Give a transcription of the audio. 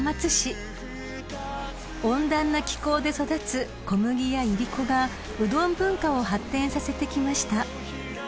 ［温暖な気候で育つ小麦やいりこがうどん文化を発展させてきました］